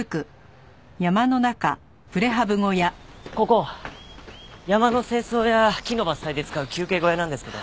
ここ山の清掃や木の伐採で使う休憩小屋なんですけど。